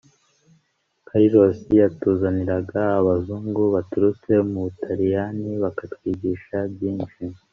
Carlos yatuzaniraga abazungu baturutse mu Butaliyani bakatwigisha byinshi